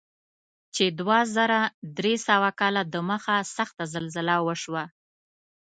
چې دوه زره درې سوه کاله دمخه سخته زلزله وشوه.